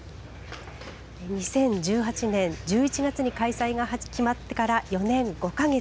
２０１８年１１月に開催が決まってから４年５か月。